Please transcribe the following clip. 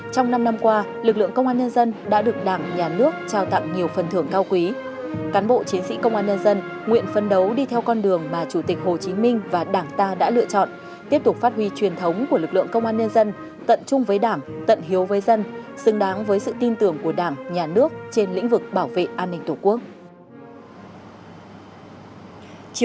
trong năm năm qua lực lượng công an nhân dân đã được đảng nhà nước trao tặng nhiều phần thưởng cao quý cán bộ chiến sĩ công an nhân dân nguyện phân đấu đi theo con đường mà chủ tịch hồ chí minh và đảng ta đã lựa chọn tiếp tục phát huy truyền thống của lực lượng công an nhân dân tận chung với đảng tận hiếu với dân xứng đáng với sự tin tưởng của đảng nhà nước trên lĩnh vực bảo vệ an ninh tổ quốc